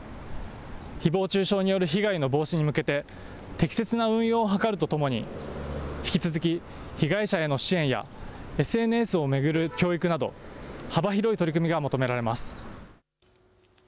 ひぼう中傷による被害の防止に向けて、適切な運用を図るとともに、引き続き被害者への支援や、ＳＮＳを巡る教育など、幅広い取り組みが求められます。